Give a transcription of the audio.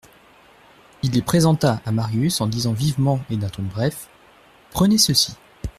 Il les présenta à Marius en disant vivement et d'un ton bref : Prenez ceci.